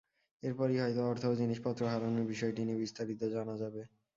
এরপরই হয়তো অর্থ ও জিনিসপত্র হারানোর বিষয়টি নিয়ে বিস্তারিত জানা যাবে।